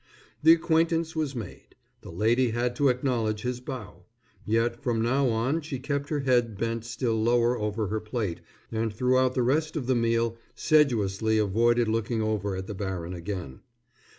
The acquaintance was made. The lady had to acknowledge his bow. Yet from now on she kept her head bent still lower over her plate and throughout the rest of the meal sedulously avoided looking over at the baron again.